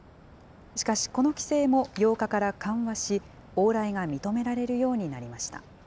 しかし、この規制も８日から緩和し、往来が認められるようになりました。